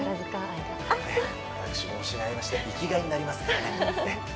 私も推しがいまして生きがいになりますから。